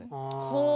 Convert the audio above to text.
ほう。